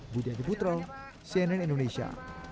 bu jadwiputro cnn indonesia